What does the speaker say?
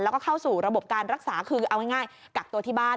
แล้วก็เข้าสู่ระบบการรักษาคือเอาง่ายกักตัวที่บ้าน